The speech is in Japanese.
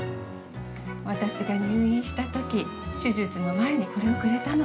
私が入院したとき、手術の前にこれをくれたの。